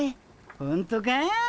ほんとか？